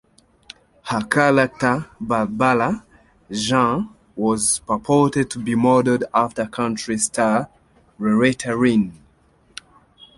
Her character Barbara Jean was purported to be modeled after country star Loretta Lynn.